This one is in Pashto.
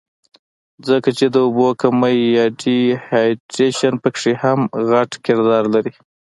ځکه چې د اوبو کمے يا ډي هائيډرېشن پکښې هم غټ کردار لري